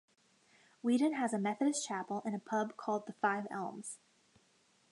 Weedon has a Methodist Chapel and a pub called the Five Elms.